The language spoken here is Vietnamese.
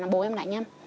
bố em đánh em